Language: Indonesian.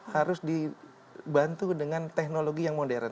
harus dibantu dengan teknologi yang modern